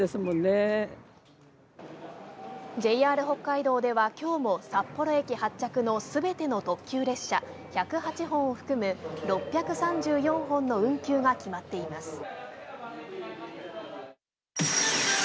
ＪＲ北海道ではきょうも札幌駅発着のすべての特急列車１０８本を含む６３４本の運休が決まっています。